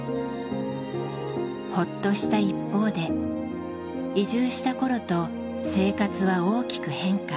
ほっとした一方で移住した頃と生活は大きく変化。